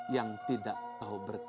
yang tidak kau berkahi